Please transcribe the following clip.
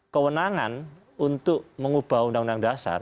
kewenangan untuk mengubah undang undang dasar